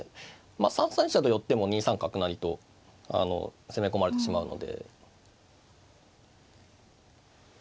３三飛車と寄っても２三角成と攻め込まれてしまうので。